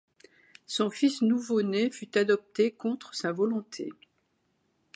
Son fils nouveau né fut adopté, contre sa volonté.